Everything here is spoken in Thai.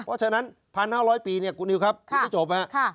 เพราะฉะนั้นพันห้าร้อยปีเนี่ยกูนิวครับค่ะก็จบแล้วค่ะ